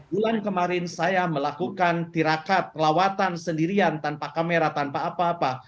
bulan kemarin saya melakukan tirakat lawatan sendirian tanpa kamera tanpa apa apa